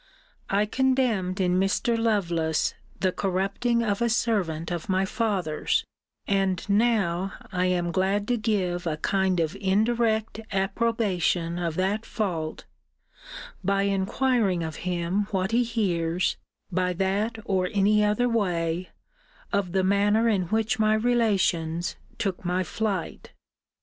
I condemned in Mr. Lovelace the corrupting of a servant of my father's; and now I am glad to give a kind of indirect approbation of that fault, by inquiring of him what he hears, by that or any other way, of the manner in which my relations took my flight.